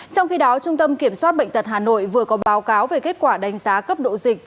trong khi đó trung tâm kiểm soát bệnh tật hà nội vừa có báo cáo về kết quả đánh giá cấp độ dịch